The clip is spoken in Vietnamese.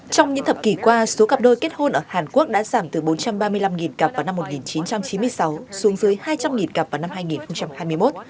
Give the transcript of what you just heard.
trong những thập kỷ qua số cặp đôi kết hôn ở hàn quốc đã giảm từ bốn trăm ba mươi năm cặp vào năm một nghìn chín trăm chín mươi sáu xuống dưới hai trăm linh cặp vào năm hai nghìn hai mươi một